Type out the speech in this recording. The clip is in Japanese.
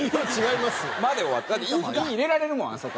「い」入れられるもんあそこ。